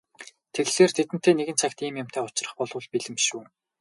Тэгэхлээр тэдэнтэй нэгэн цагт бид ийм юмтай учрах болбол бэлэн биш үү?